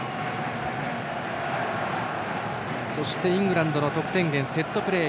そしてイングランドの得点源セットプレー。